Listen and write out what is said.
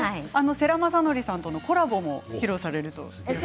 世良公則さんとのコラボも披露されると。